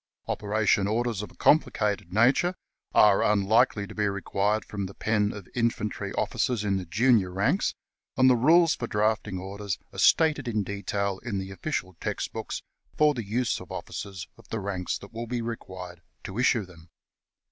Operation orders of a complicated nature are unlikely to be required from the pen of infantry officers in the junior ranks, and the rules for drafting orders are stated in detail in the official text books, for the use of officers of the ranks that will be required to issue them.